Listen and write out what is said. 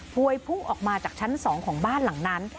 วยพุ่งออกมาจากชั้น๒ของบ้านหลังนั้น